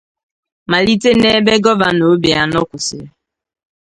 màlite n'ebe Gọvanọ Obianọ kwụsịrị.